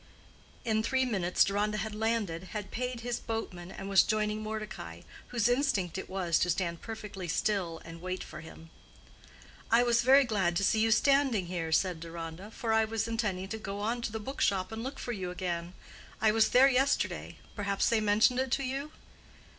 In three minutes Deronda had landed, had paid his boatman, and was joining Mordecai, whose instinct it was to stand perfectly still and wait for him. "I was very glad to see you standing here," said Deronda, "for I was intending to go on to the book shop and look for you again. I was there yesterday—perhaps they mentioned it to you?"